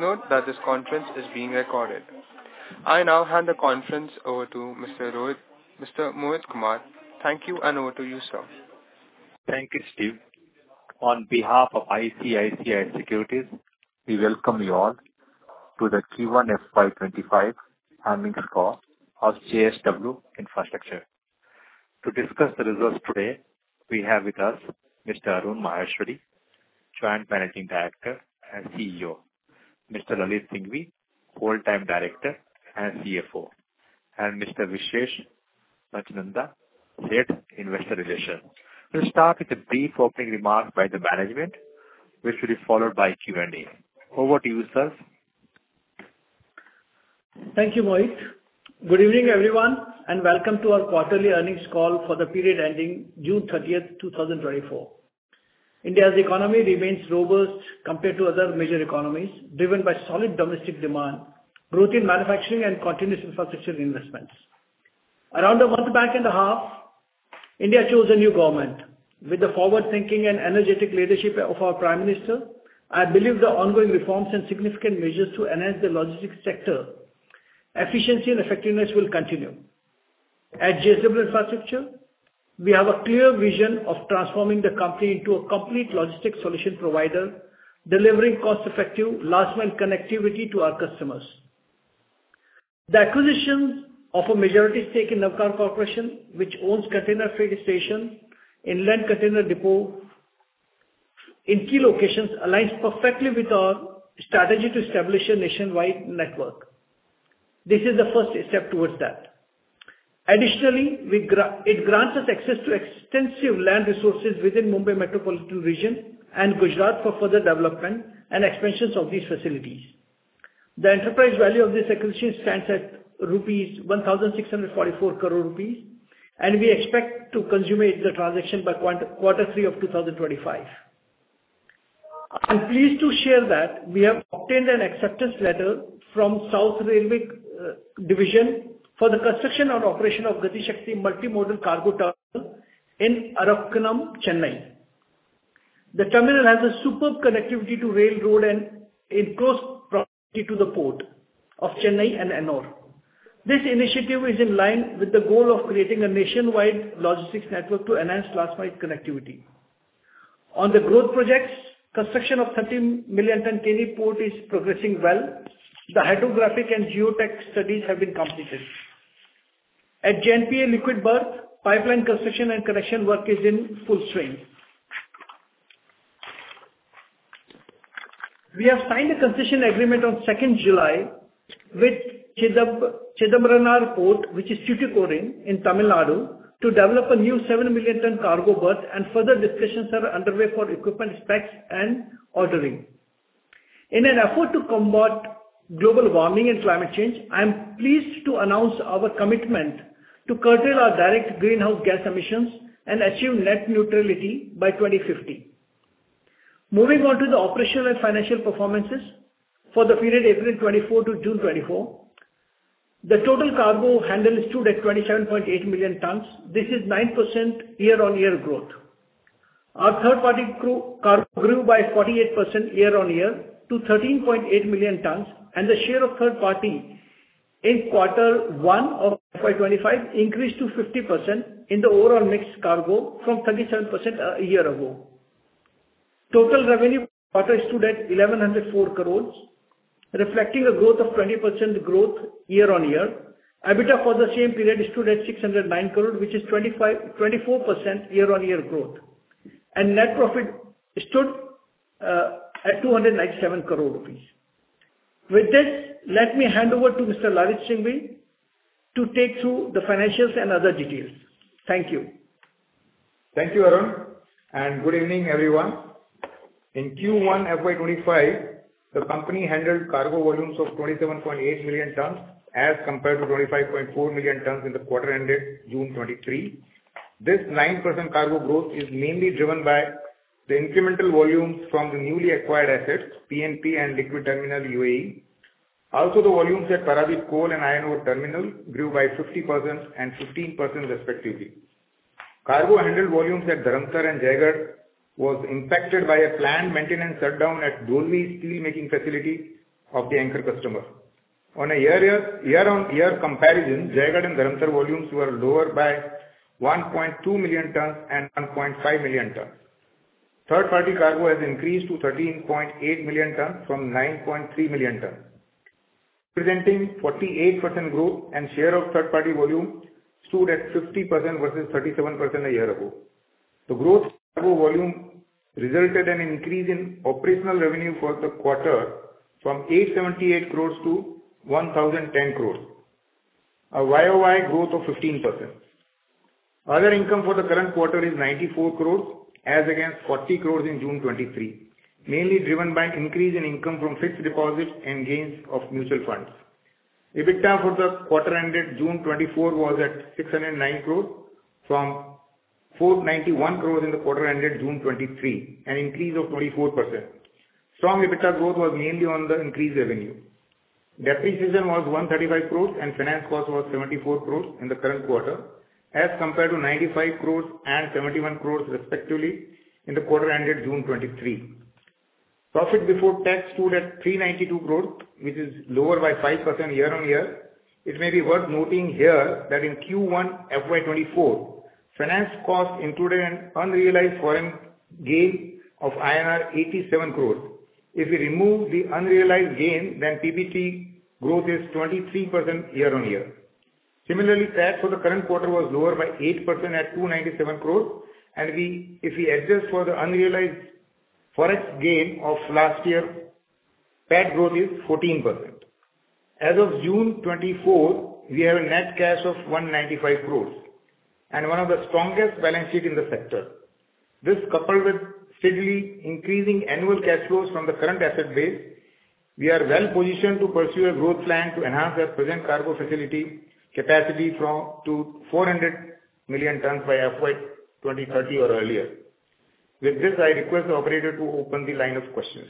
Note that this conference is being recorded. I now hand the conference over to Mr. Rohit- Mr. Mohit Kumar. Thank you, and over to you, sir. Thank you, Steve. On behalf of ICICI Securities, we welcome you all to the Q1 FY25 earnings call of JSW Infrastructure. To discuss the results today, we have with us Mr. Arun Maheshwari, Joint Managing Director and CEO, Mr. Lalit Singhvi, Whole-Time Director and CFO, and Mr. Vishesh Pachnanda, Head, Investor Relations. We'll start with a brief opening remark by the management, which will be followed by Q&A. Over to you, sir. Thank you, Mohit. Good evening, everyone, and welcome to our quarterly earnings call for the period ending June 30, 2024. India's economy remains robust compared to other major economies, driven by solid domestic demand, growth in manufacturing, and continuous infrastructure investments. Around a month back and a half, India chose a new government. With the forward-thinking and energetic leadership of our Prime Minister, I believe the ongoing reforms and significant measures to enhance the logistics sector, efficiency and effectiveness will continue. At JSW Infrastructure, we have a clear vision of transforming the company into a complete logistics solution provider, delivering cost-effective, last-mile connectivity to our customers. The acquisition of a majority stake in Navkar Corporation, which owns container freight stations and inland container depot in key locations, aligns perfectly with our strategy to establish a nationwide network. This is the first step towards that. Additionally, it grants us access to extensive land resources within Mumbai metropolitan region and Gujarat for further development and expansions of these facilities. The enterprise value of this acquisition stands at 1,644 crore rupees, and we expect to consummate the transaction by quarter three of 2025. I'm pleased to share that we have obtained an acceptance letter from Southern Railway Division for the construction and operation of Gati Shakti Multi-Modal Cargo Terminal in Arakkonam, Chennai. The terminal has a superb connectivity to rail, road, and in close proximity to the port of Chennai and Ennore. This initiative is in line with the goal of creating a nationwide logistics network to enhance last-mile connectivity. On the growth projects, construction of 13 million tonne Jatadhar port is progressing well. The hydrographic and geotech studies have been completed. At JNPA Liquid Berth, pipeline construction and connection work is in full swing. We have signed a concession agreement on July 2 with Chidambaranar Port, which is Tuticorin in Tamil Nadu, to develop a new 7 million ton cargo berth, and further discussions are underway for equipment specs and ordering. In an effort to combat global warming and climate change, I am pleased to announce our commitment to curtail our direct greenhouse gas emissions and achieve net neutrality by 2050. Moving on to the operational and financial performances for the period April 2024 to June 2024, the total cargo handled stood at 27.8 million tons. This is 9% year-on-year growth. Our third-party cargo grew by 48% year-on-year to 13.8 million tons, and the share of third party in quarter 1 of FY 2025 increased to 50% in the overall mixed cargo from 37%, a year ago. Total revenue for the quarter stood at 1,104 crore, reflecting a growth of 20% year-on-year. EBITDA for the same period stood at 609 crore, which is 25%--24% year-on-year growth, and net profit stood at 297 crore rupees. With this, let me hand over to Mr. Lalit Singhvi to take through the financials and other details. Thank you. Thank you, Arun, and good evening, everyone. In Q1 FY25, the company handled cargo volumes of 27.8 million tons as compared to 25.4 million tons in the quarter ended June 2023. This 9% cargo growth is mainly driven by the incremental volumes from the newly acquired assets, PNP and Liquid Terminal UAE. Also, the volumes at Paradip Coal and Iron Ore Terminal grew by 50% and 15% respectively. Cargo handled volumes at Dharamtar and Jaigarh was impacted by a planned maintenance shutdown at Dolvi steelmaking facility of the anchor customer. On a year-on-year comparison, Jaigarh and Dharamtar volumes were lower by 1.2 million tons and 1.5 million tons. Third-party cargo has increased to 13.8 million tons from 9.3 million tons, presenting 48% growth, and share of third-party volume stood at 50% versus 37% a year ago. The growth cargo volume resulted in an increase in operational revenue for the quarter from 878 crore to 1,010 crore, a year-over-year growth of 15%. Other income for the current quarter is 94 crore, as against 40 crore in June 2023, mainly driven by increase in income from fixed deposits and gains of mutual funds. EBITDA for the quarter ended June 2024 was at 609 crore, from 491 crore in the quarter ended June 2023, an increase of 24%. Strong EBITDA growth was mainly on the increased revenue. ...Depreciation was 135 crores and finance cost was 74 crores in the current quarter, as compared to 95 crores and 71 crores respectively, in the quarter ended June 2023. Profit before tax stood at 392 crores, which is lower by 5% year-on-year. It may be worth noting here that in Q1 FY 2024, finance cost included an unrealized foreign gain of INR 87 crores. If we remove the unrealized gain, then PBT growth is 23% year-on-year. Similarly, PAT for the current quarter was lower by 8% at 297 crores, and if we adjust for the unrealized forex gain of last year, PAT growth is 14%. As of June 2024, we have a net cash of 195 crores and one of the strongest balance sheet in the sector. This, coupled with steadily increasing annual cash flows from the current asset base, we are well positioned to pursue a growth plan to enhance our present cargo facility capacity from, to 400 million tons by FY 2030 or earlier. With this, I request the operator to open the line of questions.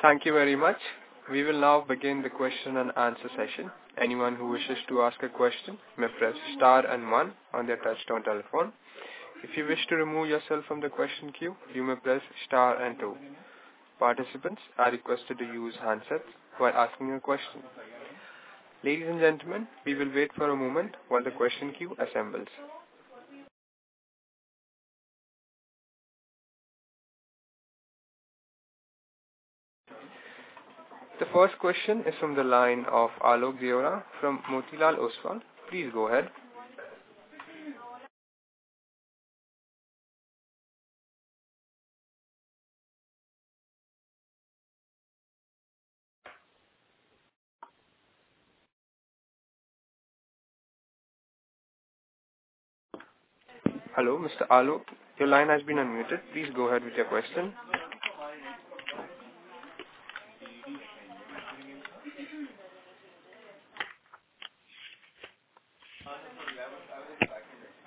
Thank you very much. We will now begin the question and answer session. Anyone who wishes to ask a question may press star and one on their touchtone telephone. If you wish to remove yourself from the question queue, you may press star and two. Participants are requested to use handsets while asking a question. Ladies and gentlemen, we will wait for a moment while the question queue assembles. The first question is from the line of Alok Deora from Motilal Oswal. Please go ahead. Hello, Mr. Alok, your line has been unmuted. Please go ahead with your question.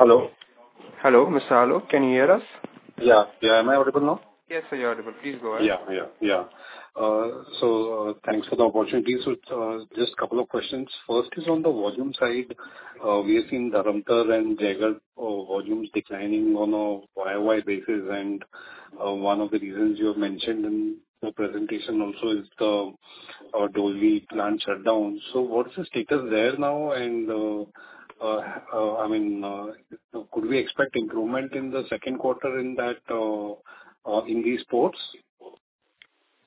Hello? Hello, Mr. Alok, can you hear us? Yeah, yeah. Am I audible now? Yes, sir, you're audible. Please go ahead. Yeah, yeah, yeah. So, thanks for the opportunity. So, just a couple of questions. First is on the volume side. We have seen Dharamtar and Jaigarh volumes declining on a YOY basis, and one of the reasons you have mentioned in the presentation also is the Dolvi plant shutdown. So what's the status there now and, I mean, could we expect improvement in the Q2 in that, in these ports?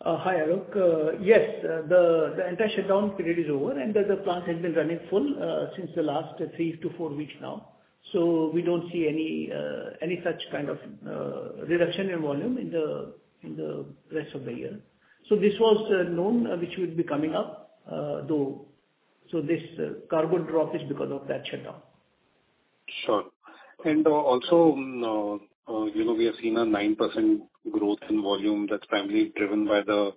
Hi, Alok. Yes, the entire shutdown period is over, and the plant has been running full since the last 3-4 weeks now. So we don't see any such kind of reduction in volume in the rest of the year. So this was known, which would be coming up, though, so this cargo drop is because of that shutdown. Sure. And, also, you know, we have seen a 9% growth in volume that's primarily driven by the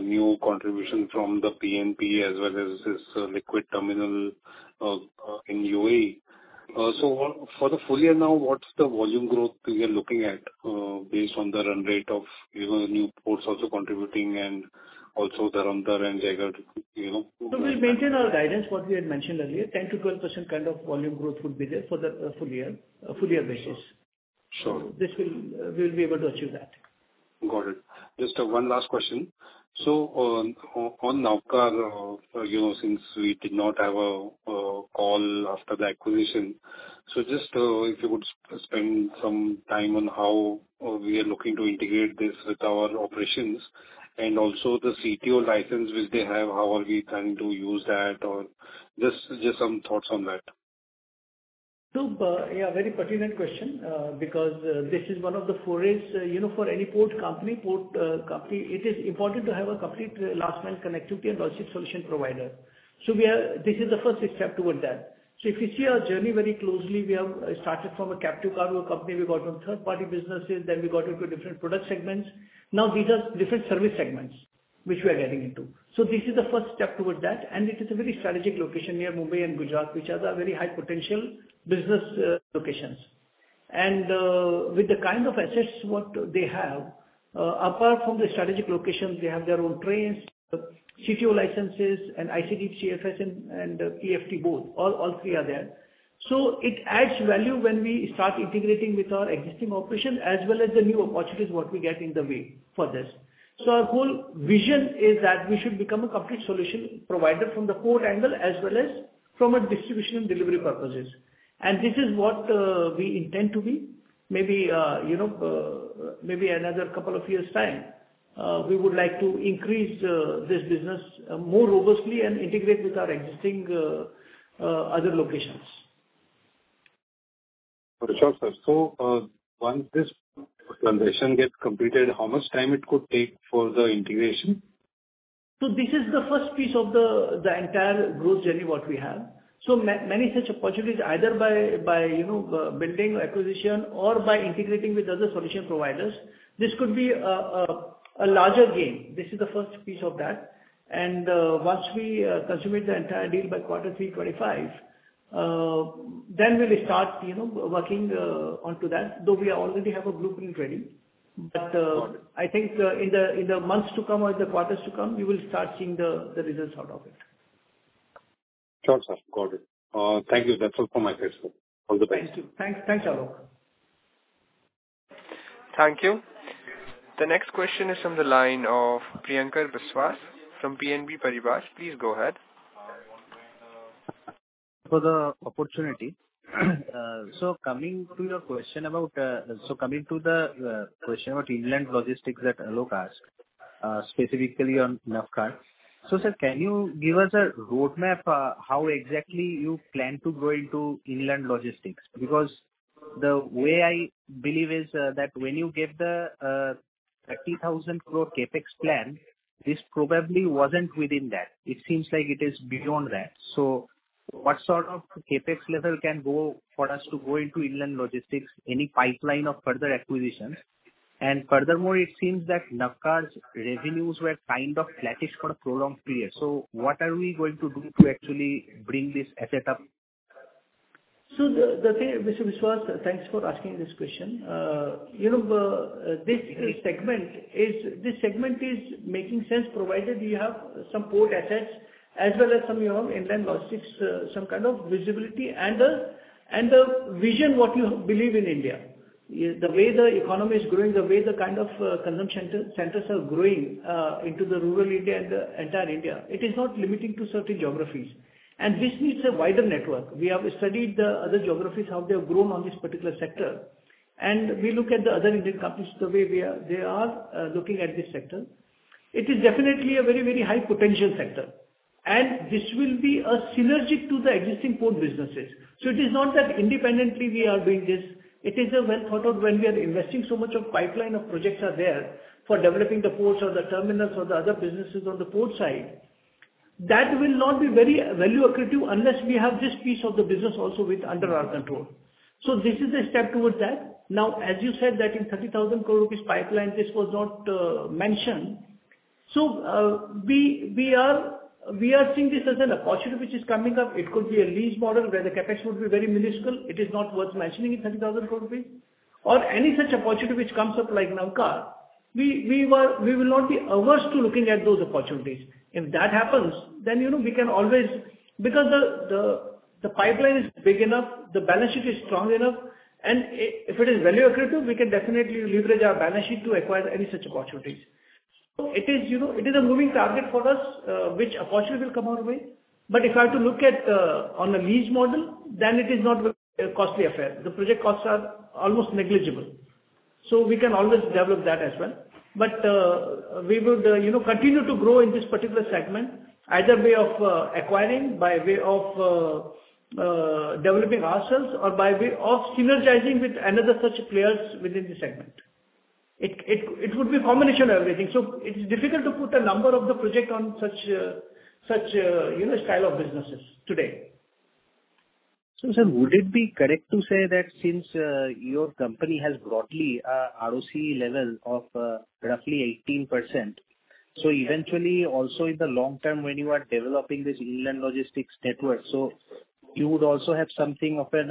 new contribution from the PNP as well as this liquid terminal in UAE. So for the full year now, what's the volume growth we are looking at, based on the run rate of, you know, new ports also contributing and also Dharamtar and Jaigarh, you know? We maintain our guidance, what we had mentioned earlier, 10%-12% kind of volume growth would be there for the full year, full year basis. Sure. This will, we'll be able to achieve that. Got it. Just one last question. So, on Navkar, you know, since we did not have a call after the acquisition, so just if you would spend some time on how we are looking to integrate this with our operations and also the CTO license which they have, how are we planning to use that or just some thoughts on that. So, yeah, very pertinent question, because this is one of the forays, you know, for any port company, port company, it is important to have a complete last mile connectivity and logistics solution provider. So we are, this is the first step toward that. So if you see our journey very closely, we have started from a captive cargo company, we got on third-party businesses, then we got into different product segments. Now these are different service segments which we are getting into. So this is the first step toward that, and it is a very strategic location near Mumbai and Gujarat, which are the very high potential business locations. And, with the kind of assets what they have, apart from the strategic locations, they have their own trains, CTO licenses and ICD, CFS and ICD, all three are there. So it adds value when we start integrating with our existing operations as well as the new opportunities, what we get in the way for this. So our whole vision is that we should become a complete solution provider from the port angle as well as from a distribution and delivery purposes. And this is what we intend to be. Maybe, you know, maybe another couple of years' time, we would like to increase this business more robustly and integrate with our existing other locations. Sure, sir. So, once this transaction gets completed, how much time it could take for the integration? So this is the first piece of the entire growth journey, what we have. So many such opportunities, either by building acquisition or by integrating with other solution providers. This could be a larger gain. This is the first piece of that. And once we consummate the entire deal by quarter three, 25..., then we will start, you know, working onto that, though we already have a blueprint ready. But I think in the months to come or the quarters to come, we will start seeing the results out of it. Sure, sir. Got it. Thank you. That's all from my side. All the best. Thank you. Thanks, thanks, Alok. Thank you. The next question is from the line of Priyankar Biswas from BNP Paribas. Please go ahead. For the opportunity. So coming to the question about inland logistics that Alok asked, specifically on Navkar. So sir, can you give us a roadmap, how exactly you plan to grow into inland logistics? Because the way I believe is, that when you gave the 30,000 crore CapEx plan, this probably wasn't within that. It seems like it is beyond that. So what sort of CapEx level can go for us to go into inland logistics, any pipeline of further acquisitions? And furthermore, it seems that Navkar's revenues were kind of flattish for a prolonged period. So what are we going to do to actually bring this asset up? So the thing, Mr. Biswas, thanks for asking this question. You know, this segment is making sense, provided we have some port assets as well as some, you know, inland logistics, some kind of visibility and the vision, what you believe in India. The way the economy is growing, the way the kind of consumption centers are growing into the rural India and the entire India, it is not limiting to certain geographies, and this needs a wider network. We have studied the other geographies, how they have grown on this particular sector, and we look at the other Indian companies, the way we are, they are looking at this sector. It is definitely a very, very high potential sector, and this will be a synergist to the existing port businesses. So it is not that independently we are doing this. It is a well-thought-out. When we are investing so much of pipeline of projects are there for developing the ports or the terminals or the other businesses on the port side, that will not be very value accretive unless we have this piece of the business also with under our control. So this is a step towards that. Now, as you said, that in 30,000 crore rupees pipeline, this was not mentioned. So we are seeing this as an opportunity which is coming up. It could be a lease model where the CapEx would be very minuscule. It is not worth mentioning in 30,000 crore rupees or any such opportunity which comes up like Navkar. We will not be averse to looking at those opportunities. If that happens, then, you know, we can always... Because the pipeline is big enough, the balance sheet is strong enough, and if it is value accretive, we can definitely leverage our balance sheet to acquire any such opportunities. So it is, you know, it is a moving target for us, which opportunity will come our way. But if you have to look at on a lease model, then it is not a costly affair. The project costs are almost negligible. So we can always develop that as well. But we would, you know, continue to grow in this particular segment, either by of acquiring, by way of developing ourselves or by way of synergizing with another such players within the segment. It would be a combination of everything, so it's difficult to put a number on the project on such, you know, style of businesses today. So, sir, would it be correct to say that since your company has broadly ROC level of roughly 18%, so eventually, also in the long term, when you are developing this inland logistics network, so you would also have something of an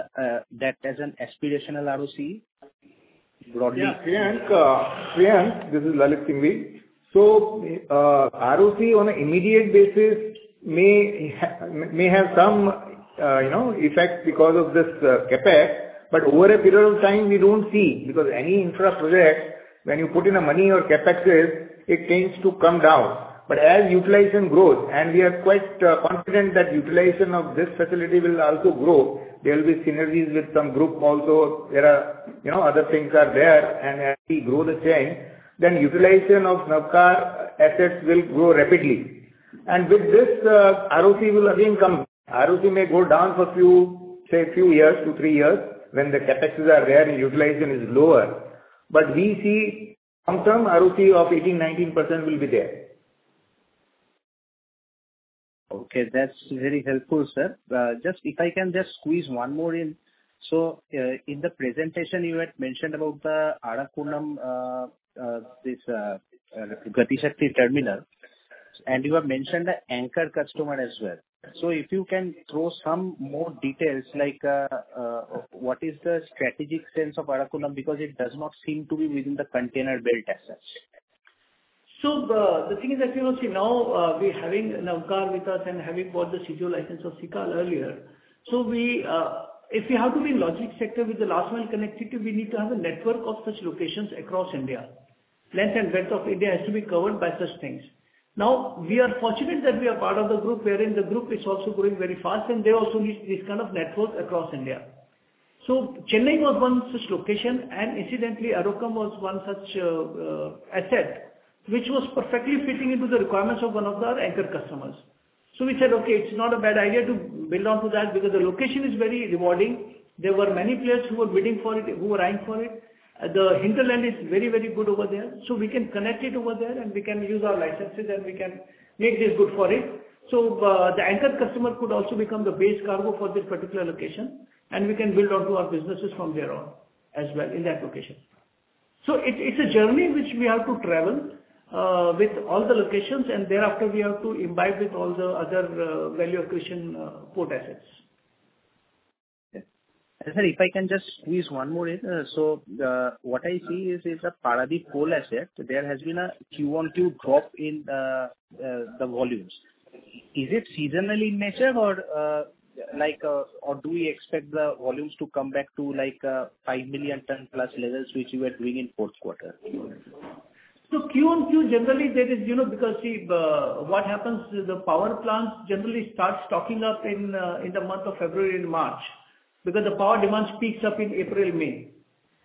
that as an aspirational ROC broadly? Yeah. Shreyank, Shreyank, this is Lalit Singhvi. So, ROC on an immediate basis may have some, you know, effect because of this CapEx. But over a period of time, we don't see, because any infra project, when you put in the money or CapExes, it tends to come down. But as utilization grows, and we are quite confident that utilization of this facility will also grow, there will be synergies with some group also. There are, you know, other things are there, and as we grow the chain, then utilization of Navkar assets will grow rapidly. And with this, ROC will again come. ROC may go down for few, say, few years to three years, when the CapExes are there and utilization is lower, but we see long-term ROC of 18%-19% will be there. Okay. That's very helpful, sir. Just if I can just squeeze one more in. So, in the presentation you had mentioned about the Arakkonam Gati Shakti terminal, and you have mentioned the anchor customer as well. So if you can throw some more details, like, what is the strategic sense of Arakkonam? Because it does not seem to be within the container belt as such. So the thing is that, you know, see now, we're having Navkar with us and having bought the schedule license of Sical earlier. So we, if we have to be in logistics sector with the last mile connectivity, we need to have a network of such locations across India. Length and breadth of India has to be covered by such things. Now, we are fortunate that we are part of the group, wherein the group is also growing very fast, and they also need this kind of network across India. So Chennai was one such location, and incidentally, Arakkonam was one such, asset, which was perfectly fitting into the requirements of one of our anchor customers. So we said, "Okay, it's not a bad idea to build on to that," because the location is very rewarding. There were many players who were bidding for it, who were eyeing for it. The hinterland is very, very good over there, so we can connect it over there, and we can use our licenses, and we can make this good for it. So, the anchor customer could also become the base cargo for this particular location, and we can build out to our businesses from there on as well in that location....So it's, it's a journey which we have to travel, with all the locations, and thereafter we have to imbibe with all the other, value accretion, port assets. And sir, if I can just squeeze one more in. So what I see is that Paradip coal asset, there has been a Q1Q2 drop in the volumes. Is it seasonal in nature or like or do we expect the volumes to come back to like 5 million ton plus levels, which you were doing in Q4? So Q on Q, generally, there is, you know, because, see, the, what happens is the power plant generally starts stocking up in, in the month of February and March, because the power demand peaks up in April/May.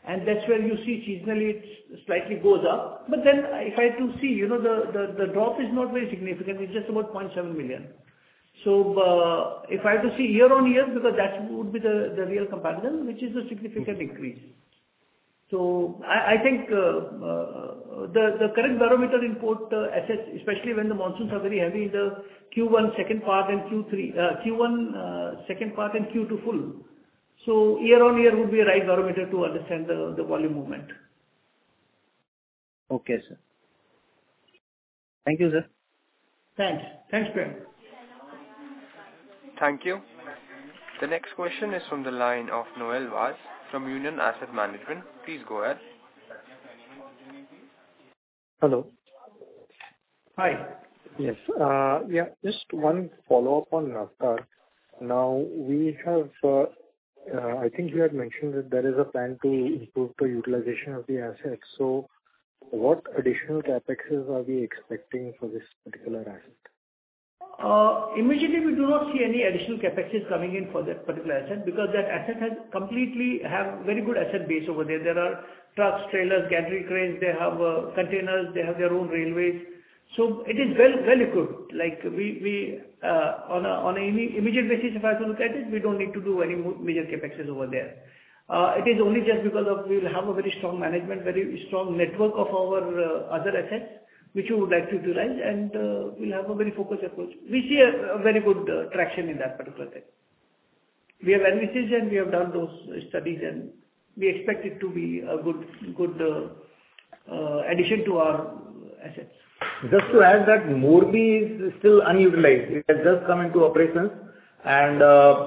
And that's where you see seasonally it slightly goes up. But then if I have to see, you know, the drop is not very significant. It's just about 0.7 million. So, if I have to see year on year, because that would be the real comparison, which is a significant increase. So I think, the current barometer in port assets, especially when the monsoons are very heavy, the Q1 second part and Q3, Q1, second part and Q2 full. So year on year would be a right barometer to understand the volume movement. Okay, sir. Thank you, sir. Thanks. Thanks, Prem. Thank you. The next question is from the line of Noel Vaz from Union Asset Management. Please go ahead. Hello. Hi. Yes, yeah, just one follow-up on Jaigarh. Now, we have, I think you had mentioned that there is a plan to improve the utilization of the assets. So what additional CapExes are we expecting for this particular asset? Immediately, we do not see any additional CapExes coming in for that particular asset, because that asset has completely have very good asset base over there. There are trucks, trailers, gantry cranes, they have, containers, they have their own railways. So it is well, very good. Like, we, we, on a, on a any immediate basis, if I have to look at it, we don't need to do any more major CapExes over there. It is only just because of we'll have a very strong management, very strong network of our, other assets, which we would like to utilize, and, we'll have a very focused approach. We see a, a very good, traction in that particular thing. We have analysis and we have done those studies, and we expect it to be a good, good, addition to our assets. Just to add that Morbi is still unutilized. It has just come into operation, and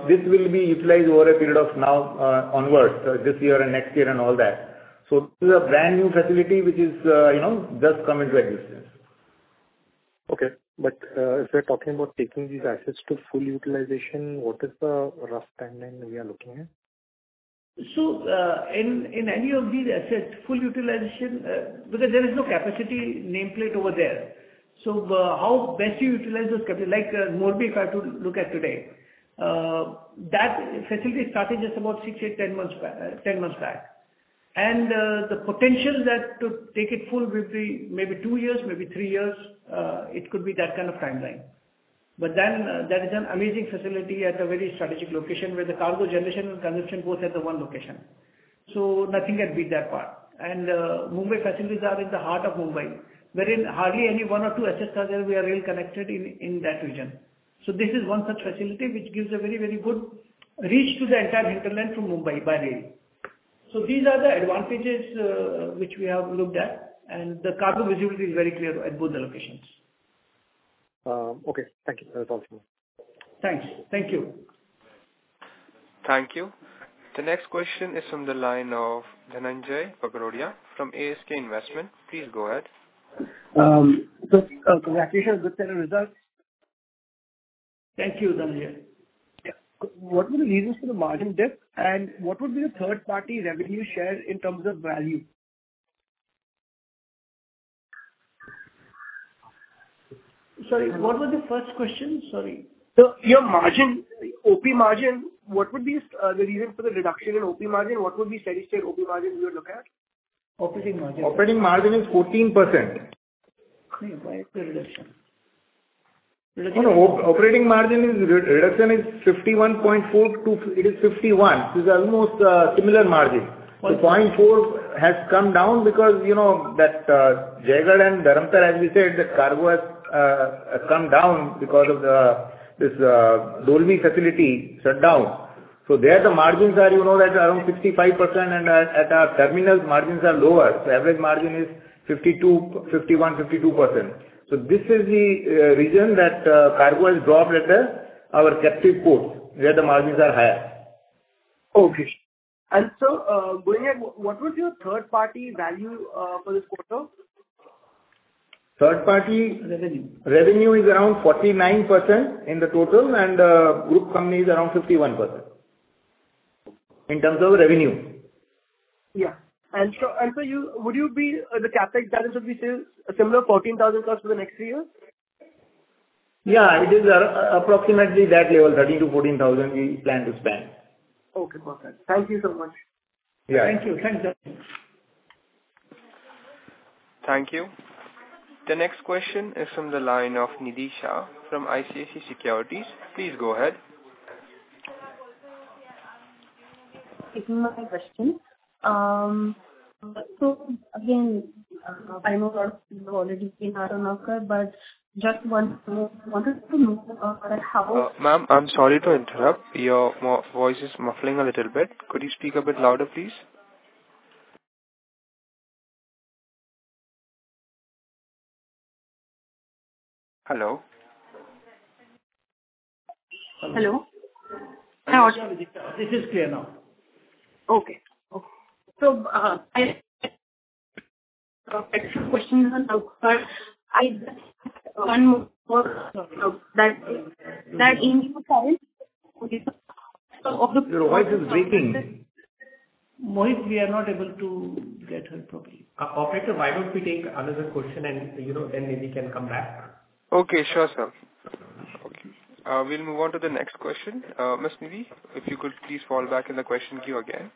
this will be utilized over a period of now onwards this year and next year and all that. So this is a brand new facility which is, you know, just come into existence. Okay. But, if we're talking about taking these assets to full utilization, what is the rough timeline we are looking at? In any of these assets, full utilization, because there is no capacity nameplate over there. So, how best you utilize those capacity, like Morbi if I have to look at today, that facility started just about 6, 8, 10 months back, 10 months back. And, the potential that to take it full will be maybe 2 years, maybe 3 years, it could be that kind of timeline. But then, that is an amazing facility at a very strategic location, where the cargo generation and consumption both at the one location. So nothing can beat that part. And, Mumbai facilities are in the heart of Mumbai, wherein hardly any 1 or 2 assets are there. We are really connected in that region. So this is one such facility which gives a very, very good reach to the entire hinterland through Mumbai by rail. So these are the advantages, which we have looked at, and the cargo visibility is very clear at both the locations. Okay. Thank you. That's all for me. Thanks. Thank you. Thank you. The next question is from the line of Dhananjai Bagrodia from ASK Investment. Please go ahead. Just, congratulations with the results. Thank you, Dhananjai. Yeah. What were the reasons for the margin dip? What would be the third-party revenue share in terms of value? Sorry, what was the first question? Sorry. So your margin, OP margin, what would be the reason for the reduction in OP margin? What would be steady state OP margin you're looking at? Operating margin. Operating margin is 14%. Why the reduction? No, operating margin is. Reduction is 51.4 to 51. It is almost similar margin. The 0.4 has come down because you know that Jaigarh and Dharamtar, as we said, that cargo has come down because of this Dolvi facility shut down. So there, the margins are, you know, that around 55% and at our terminals, margins are lower. So average margin is 52, 51, 52%. So this is the reason that cargo has dropped at our captive port, where the margins are higher. Okay. And so, going ahead, what was your third-party value for this quarter? Third-party- Revenue. Revenue is around 49% in the total and, group company is around 51%, in terms of revenue. Yeah. And so, and so you, would you be, the CapEx guidance would be still similar, 14,000+ for the next year? Yeah, it is approximately that level, 13,000-14,000 we plan to spend. Okay, perfect. Thank you so much. Yeah. Thank you. Thanks, Dhananjay. Thank you. The next question is from the line of Nidhi Shah from ICICI Securities. Please go ahead. This is my question. So again-... I know a lot of people already seen Navkar, but just want, wanted to know about how- Ma'am, I'm sorry to interrupt. Your voice is muffling a little bit. Could you speak a bit louder, please? Hello? Hello. This is clear now. Okay. So, I extra question on Navkar. I just one more, that in time, okay. Your voice is breaking. Mohit, we are not able to get her properly. Operator, why don't we take another question and, you know, then maybe we can come back? Okay. Sure, sir. We'll move on to the next question. Ms. Nidhi, if you could please fall back in the question queue again.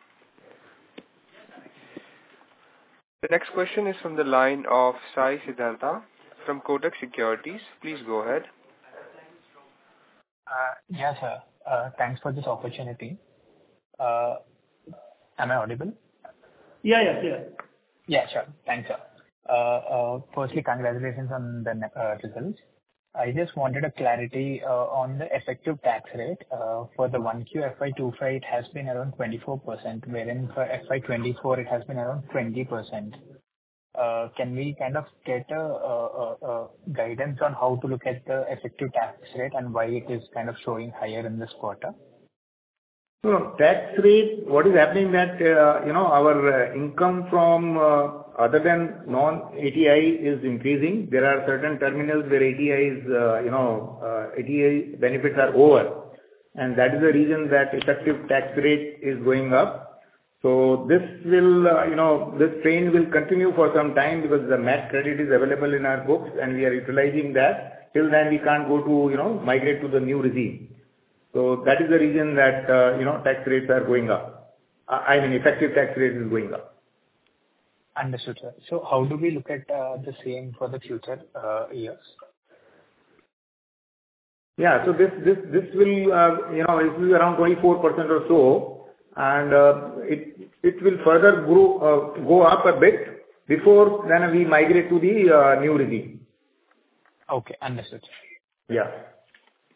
The next question is from the line of Sai Siddhartha from Kotak Securities. Please go ahead. Yes, sir. Thanks for this opportunity. Am I audible? Yeah, yes, clear. Yeah, sure. Thanks, sir. Firstly, congratulations on the results. I just wanted a clarity on the effective tax rate for Q1 FY 2025, it has been around 24%, wherein for FY 2024, it has been around 20%. Can we kind of get a guidance on how to look at the effective tax rate and why it is kind of showing higher in this quarter? So tax rate, what is happening is that, you know, our income from other than non 80-IA is increasing. There are certain terminals where 80-IA benefits are over, and that is the reason that effective tax rate is going up. So this will, you know, this trend will continue for some time because the MAT credit is available in our books, and we are utilizing that. Till then, we can't go to, you know, migrate to the new regime. So that is the reason that, you know, tax rates are going up. I mean, effective tax rate is going up. Understood, sir. So how do we look at the same for the future years? Yeah. So this will, you know, it will be around 24% or so, and, it will further grow, go up a bit before then we migrate to the new regime. Okay, understood. Yeah.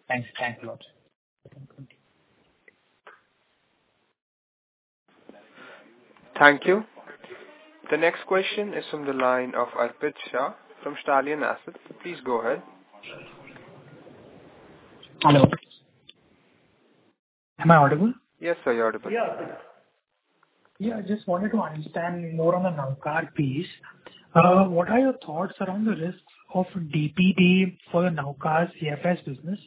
Thanks. Thank you a lot. Thank you. The next question is from the line of Arpit Shah from Stallion Asset. Please go ahead. Hello. Am I audible? Yes, sir, you're audible. Yeah. Yeah, I just wanted to understand more on the Navkar piece. What are your thoughts around the risks of DPD for the Navkar CFS business?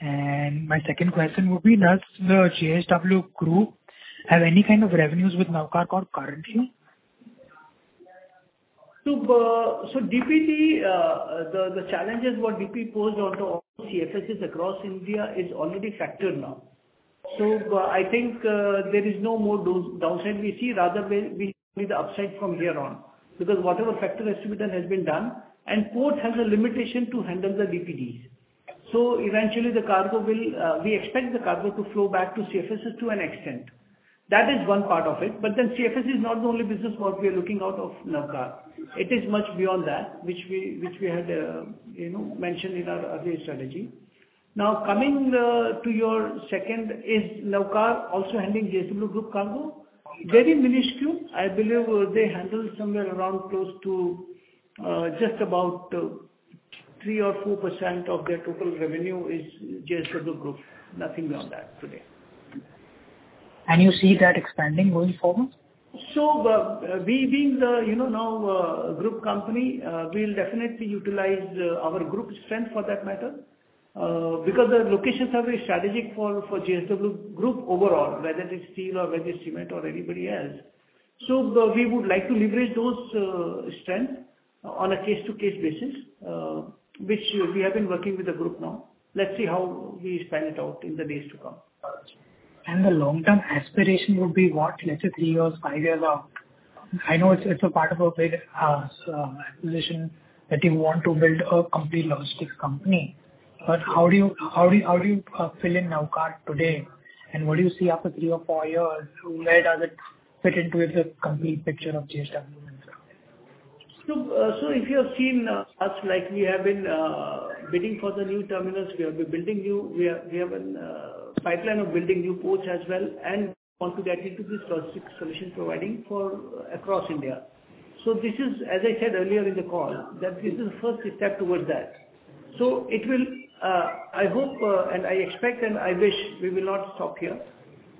And my second question would be, does the JSW Group have any kind of revenues with Navkar currently? So DPD, the challenges what DPD posed onto all CFSs across India is already factored now. So I think, there is no more downside we see, rather we see the upside from here on. Because whatever factor estimating has been done, and port has a limitation to handle the DPDs. So eventually the cargo will, we expect the cargo to flow back to CFSs to an extent. That is one part of it. But then CFS is not the only business what we are looking out of Navkar. It is much beyond that, which we had, you know, mentioned in our earlier strategy. Now, coming to your second, is Navkar also handling JSW Group cargo? Very minuscule. I believe they handle somewhere around close to just about 3% or 4% of their total revenue is JSW Group. Nothing beyond that today. You see that expanding going forward? So, we being, you know, now a group company, we'll definitely utilize our group strength for that matter, because the locations are very strategic for JSW Group overall, whether it's steel or whether it's cement or anybody else. So we would like to leverage those strength on a case-to-case basis, which we have been working with the group now. Let's see how we expand it out in the days to come. The long-term aspiration would be what? Let's say, three years, five years out. I know it's a part of a big acquisition, that you want to build a complete logistics company. But how do you fill in Navkar today, and what do you see after three or four years? Where does it fit into the complete picture of JSW Group? If you have seen us, like, we have been bidding for the new terminals, we have been building new, we are, we have a pipeline of building new ports as well, and want to get into this logistics solution providing across India. This is, as I said earlier in the call, that this is the first step towards that. It will, I hope, and I expect, and I wish we will not stop here,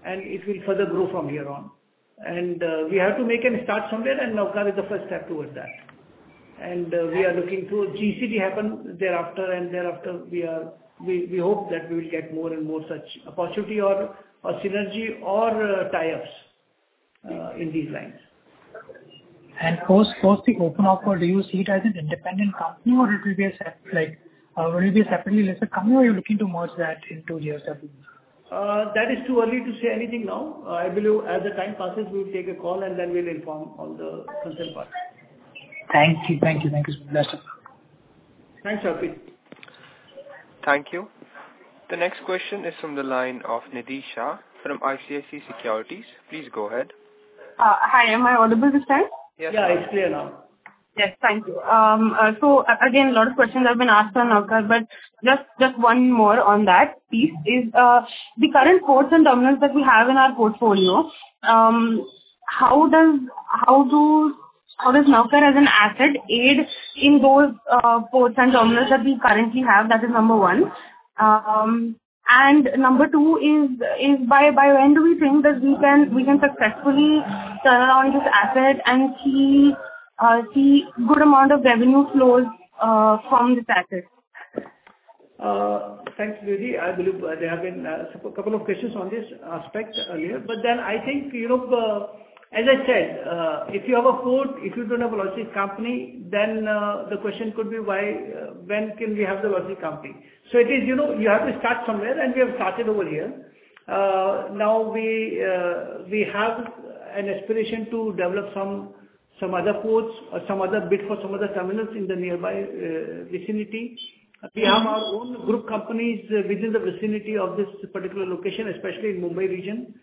and it will further grow from here on. We have to make a start somewhere, and Navkar is the first step towards that. We are looking to ICD happen thereafter, and thereafter, we, we hope that we will get more and more such opportunity or, or synergy, or, tie-ups, in these lines. Post, post the open offer, do you see it as an independent company or it will be a separate, like, will it be a separately listed company, or you're looking to merge that into JSW? That is too early to say anything now. I believe as the time passes, we'll take a call, and then we'll inform all the concerned parties. Thank you. Thank you. Thank you. Thanks, sir. Thanks, Arpit.... Thank you. The next question is from the line of Nidhi Shah from ICICI Securities. Please go ahead. Hi, am I audible this time? Yes. Yeah, it's clear now. Yes, thank you. So again, a lot of questions have been asked on Navkar, but just one more on that piece is the current ports and terminals that we have in our portfolio, how does Navkar as an asset aid in those ports and terminals that we currently have? That is number one. And number two is by when do we think that we can successfully turn around this asset and see good amount of revenue flows from this asset? Thanks, Nidhi. I believe there have been a couple of questions on this aspect earlier, but then I think, you know, as I said, if you have a port, if you don't have a logistics company, then, the question could be why, when can we have the logistic company? So it is, you know, you have to start somewhere, and we have started over here. Now we, we have an aspiration to develop some other ports or some other bit for some other terminals in the nearby vicinity. We have our own group companies within the vicinity of this particular location, especially in Mumbai region.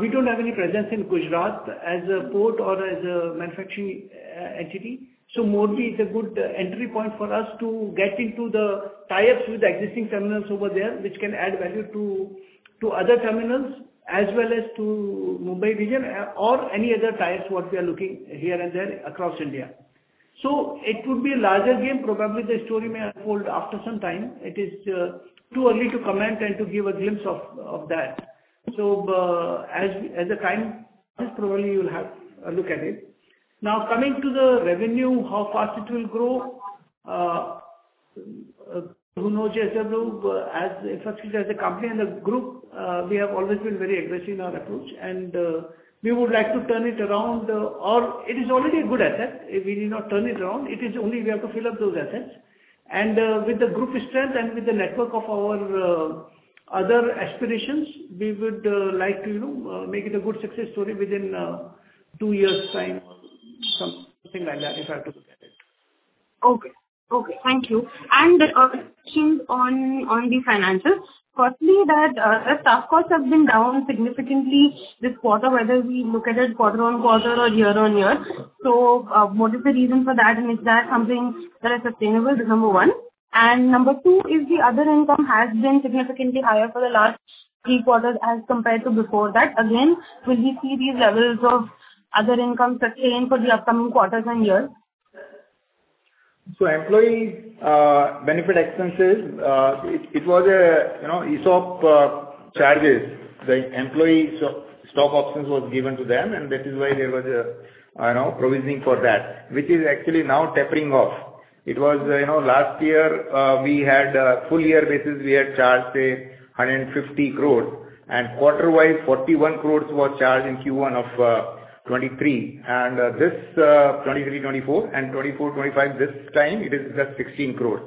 We don't have any presence in Gujarat as a port or as a manufacturing entity. So Morbi is a good entry point for us to get into the tie-ups with the existing terminals over there, which can add value to other terminals as well as to Mumbai region or any other ties, what we are looking here and there across India. So it would be a larger game. Probably, the story may unfold after some time. It is too early to comment and to give a glimpse of that. So, as a time, probably you'll have a look at it. Now, coming to the revenue, how fast it will grow, you know, as I said, as infrastructure, as a company and a group, we have always been very aggressive in our approach, and we would like to turn it around or it is already a good asset. We need not turn it around. It is only we have to fill up those assets. And, with the group strength and with the network of our other aspirations, we would like to, you know, make it a good success story within two years' time or something like that, if I have to look at it. Okay. Okay, thank you. And question on the financials. Firstly, the staff costs have been down significantly this quarter, whether we look at it quarter-over-quarter or year-over-year. So, what is the reason for that, and is that something that is sustainable? Number one. And number two, if the other income has been significantly higher for the last three quarters as compared to before that, again, will we see these levels of other income sustained for the upcoming quarters and years? So employee benefit expenses, it was a, you know, ESOP charges. The employee stock options was given to them, and that is why there was a, you know, provisioning for that, which is actually now tapering off. It was, you know, last year, we had full year basis, we had charged 150 crore, and quarter-wise, 41 crore were charged in Q1 of 2023. And this 2023-24 and 2024-25, this time it is just 16 crore.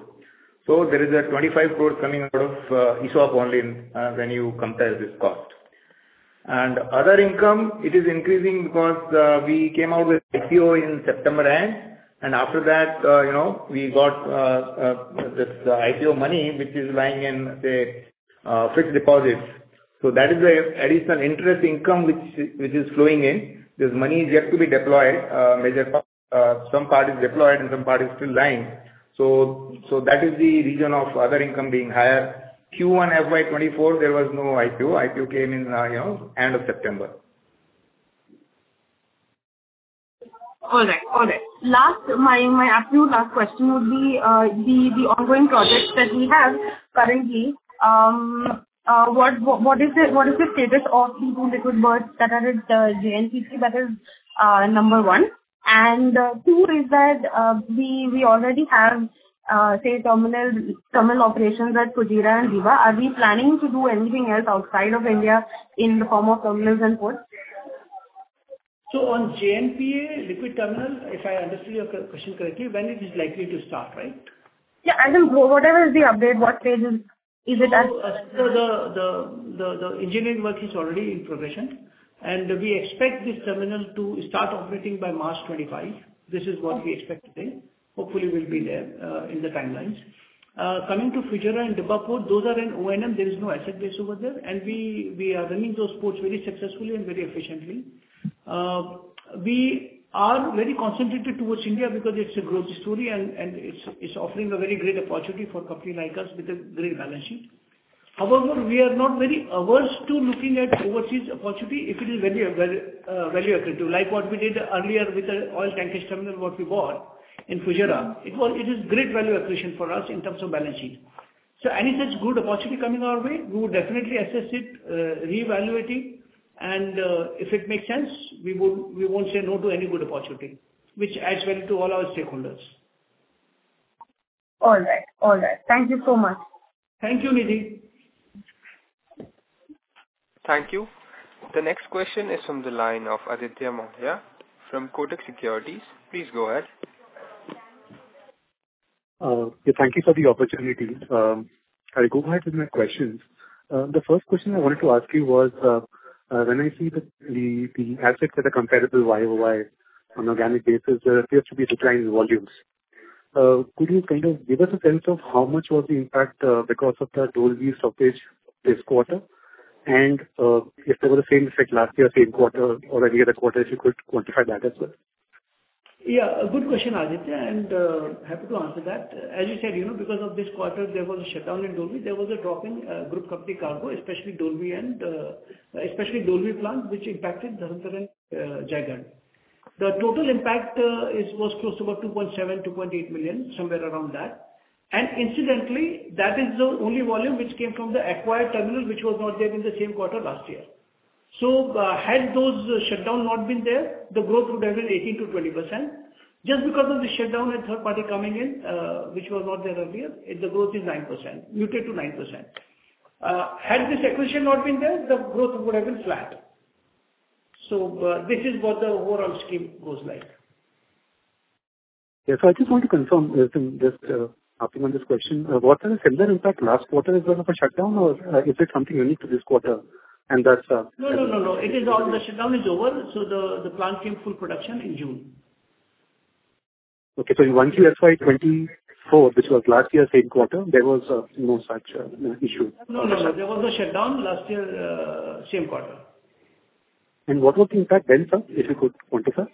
So there is a 25 crore coming out of ESOP only in when you compare this cost. And other income, it is increasing because we came out with IPO in September end, and after that, you know, we got this IPO money, which is lying in, say, fixed deposits. So that is a additional interest income which is flowing in. This money is yet to be deployed, major part. Some part is deployed and some part is still lying. So that is the reason of other income being higher. Q1 FY 2024, there was no IPO. IPO came in, you know, end of September. All right. All right. Last, my absolute last question would be the ongoing projects that we have currently, what is the status of the two liquid berths that are at JNPT? That is number one. And two is that we already have say terminal operations at Fujairah and Dibba. Are we planning to do anything else outside of India in the form of terminals and ports? So on JNPA liquid terminal, if I understood your question correctly, when it is likely to start, right? Yeah, I think whatever is the update, what stage is it at? So the engineering work is already in progression, and we expect this terminal to start operating by March 25. This is what we expect today. Hopefully, we'll be there in the timelines. Coming to Fujairah and Dibba Port, those are in O&M. There is no asset base over there, and we are running those ports very successfully and very efficiently. We are very concentrated towards India because it's a growth story and it's offering a very great opportunity for company like us with a great balance sheet. However, we are not very averse to looking at overseas opportunity if it is very, very value accretive, like what we did earlier with the oil tankage terminal, what we bought in Fujairah. It was. It is great value accretion for us in terms of balance sheet. So any such good opportunity coming our way, we would definitely assess it, reevaluate it, and, if it makes sense, we would—we won't say no to any good opportunity, which adds value to all our stakeholders. All right. All right. Thank you so much. Thank you, Nidhi. Thank you. The next question is from the line of Aditya Mongia from Kotak Securities. Please go ahead. Thank you for the opportunity. I'll go ahead with my questions. The first question I wanted to ask you was, when I see the assets that are comparable YOY on organic basis, there appears to be a decline in volumes. Could you kind of give us a sense of how much was the impact because of the Dolvi stoppage this quarter? If there was the same effect last year, same quarter or any other quarter, if you could quantify that as well. Yeah, a good question, Aditya, and happy to answer that. As you said, you know, because of this quarter, there was a shutdown in Dolvi. There was a drop in group company cargo, especially Dolvi and especially Dolvi plant, which impacted Dharamtar and Jaigarh. The total impact was close to about 2.7-2.8 million, somewhere around that. And incidentally, that is the only volume which came from the acquired terminal, which was not there in the same quarter last year. So, had those shutdown not been there, the growth would have been 18%-20%. Just because of the shutdown and third party coming in, which was not there earlier, the growth is 9%, muted to 9%. Had this acquisition not been there, the growth would have been flat. This is what the overall scheme goes like. Yes. So I just want to confirm, just asking on this question. Was there a similar impact last quarter because of a shutdown, or is it something unique to this quarter, and that's— No, no, no, no. It is all the shutdown is over, so the plant came full production in June. Okay. So in 1Q FY24, which was last year, same quarter, there was no such issue? No, no, there was a shutdown last year, same quarter. What was the impact then, sir, if you could quantify?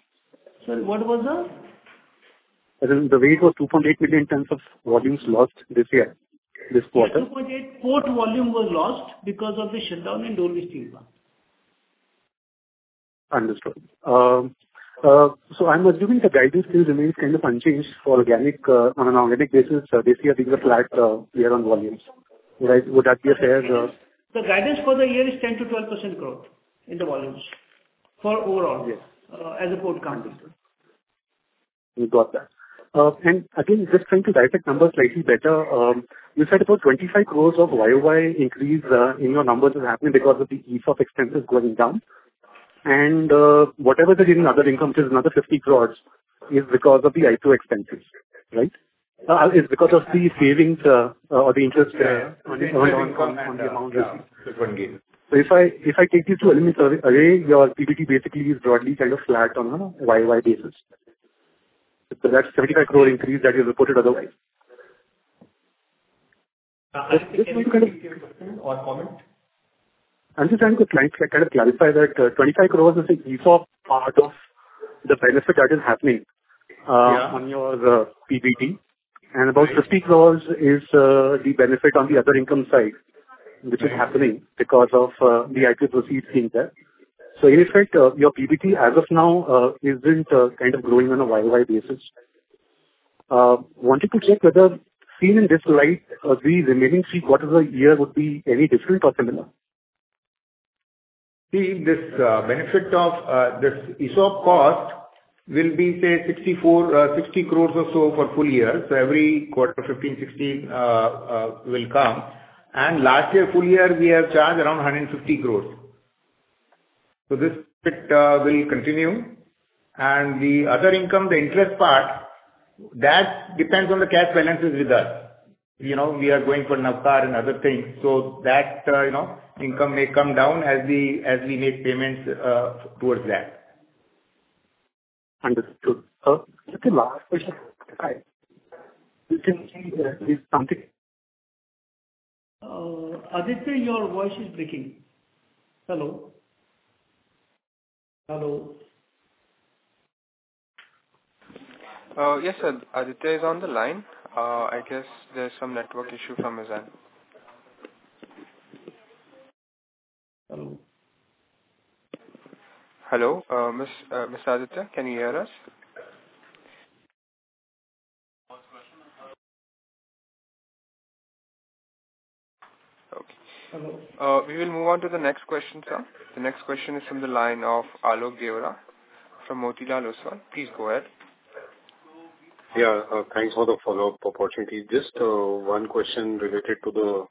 Sorry, what was the? The weight was 2.8 million in terms of volumes lost this year, this quarter. 2.8 port volume was lost because of the shutdown in Dolvi steel plant. Understood. So I'm assuming the guidance still remains kind of unchanged for organic, on an organic basis. So basically, a bigger flat year on volumes, right? Would that be a fair The guidance for the year is 10%-12% growth in the volumes for overall- Yes. - as a port cargo. We got that. And again, just trying to dissect numbers slightly better. You said about 25 crores of YOY increase in your numbers has happened because of the ESOP expenses going down. And whatever is in other incomes is another 50 crores is because of the IPO expenses, right? It's because of the savings or the interest on the amount received. Yeah, that one gain. So if I take you to elements array, your PBT basically is broadly kind of flat on a year-over-year basis. So that's 75 crore increase that you reported otherwise. Question or comment? I'm just trying to kind of clarify that, 25 crore is the ESOP part of the benefit that is happening. Yeah. On your PBT. And about 50 crore is the benefit on the other income side, which is happening because of the IPO proceeds being there. So in effect, your PBT as of now isn't kind of growing on a YOY basis. Wanted to check whether seen in this light, the remaining three quarters of the year would be any different or similar? See, this benefit of this ESOP cost will be, say, 64, 60 crore or so for full year. So every quarter, 15, 16 will come. And last year, full year, we have charged around 150 crore. So this bit will continue. And the other income, the interest part, that depends on the cash balances with us. You know, we are going for Navkar and other things, so that, you know, income may come down as we, as we make payments towards that. Understood. Just a last question. You can change at least something. Aditya, your voice is breaking. Hello? Hello. Yes, sir. Aditya is on the line. I guess there's some network issue from his end. Hello? Hello, Mr. Aditya, can you hear us? Last question, Okay. Hello. We will move on to the next question, sir. The next question is from the line of Alok Deora from Motilal Oswal. Please go ahead. Yeah, thanks for the follow-up opportunity. Just one question related to the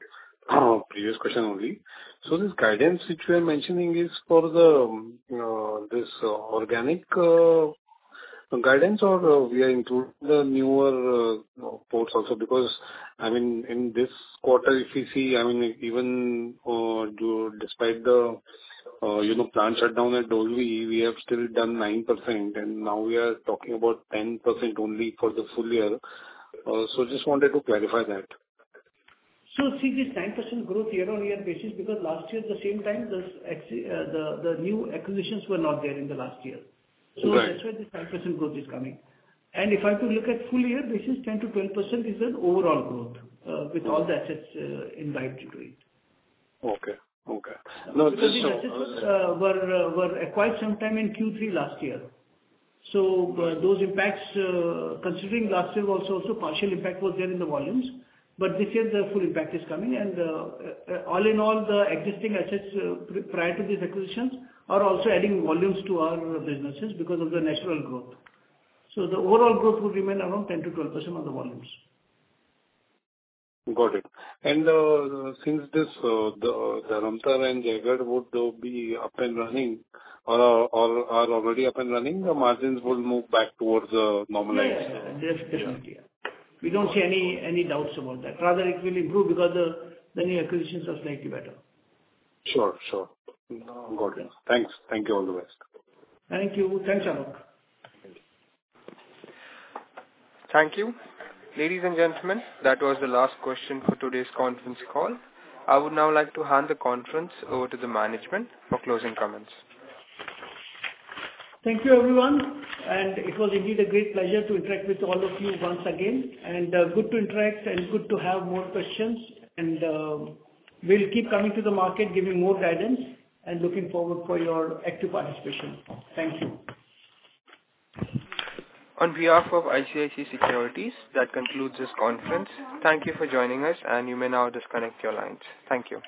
previous question only. So this guidance which you are mentioning is for this organic guidance or we are including the newer ports also? Because, I mean, in this quarter, if you see, I mean, even despite the you know, plant shutdown at Dolvi, we have still done 9%, and now we are talking about 10% only for the full year. So just wanted to clarify that. So see this 9% growth year-on-year basis, because last year, the same time, the new acquisitions were not there in the last year. Right. So that's where this 9% growth is coming. If I have to look at full-year basis, 10%-12% is an overall growth, with all the assets invited to it. Okay. Okay. No, just so- Were acquired some time in Q3 last year. So, those impacts, considering last year was also partial impact was there in the volumes, but this year the full impact is coming. And, all in all, the existing assets, prior to these acquisitions are also adding volumes to our businesses because of the natural growth. So the overall growth will remain around 10%-12% on the volumes. Got it. And since this, the Dharamtar and Jaigarh would be up and running or are already up and running, the margins will move back towards the normalized. Yeah, yeah. Definitely, yeah. We don't see any doubts about that. Rather, it will improve because the new acquisitions are slightly better. Sure, sure. Got it. Thanks. Thank you, all the best. Thank you. Thanks, Alok. Thank you. Ladies and gentlemen, that was the last question for today's conference call. I would now like to hand the conference over to the management for closing comments. Thank you, everyone, and it was indeed a great pleasure to interact with all of you once again. Good to interact and good to have more questions, and, we'll keep coming to the market, giving more guidance, and looking forward for your active participation. Thank you. On behalf of ICICI Securities, that concludes this conference. Thank you for joining us, and you may now disconnect your lines. Thank you.